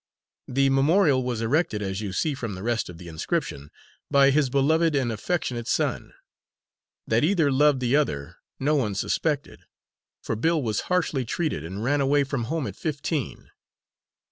"The memorial was erected, as you see from the rest of the inscription, 'by his beloved and affectionate son.' That either loved the other no one suspected, for Bill was harshly treated, and ran away from home at fifteen.